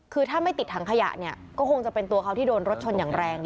คือถ้าไม่ติดถังขยะเนี่ยก็คงจะเป็นตัวเขาที่โดนรถชนอย่างแรง